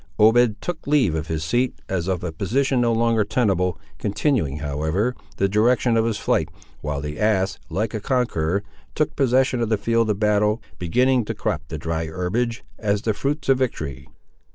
Obed took leave of his seat, as of a position no longer tenable, continuing, however, the direction of his flight, while the ass, like a conqueror, took possession of the field of battle, beginning to crop the dry herbage, as the fruits of victory.